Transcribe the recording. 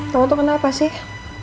kau tuh kenapa sih